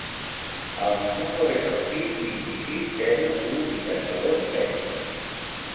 El meu número es el sis, vint-i-sis, zero, u, vuitanta-dos, trenta.